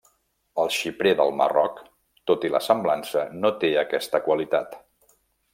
El xiprer del Marroc, tot i la semblança, no té aquesta qualitat.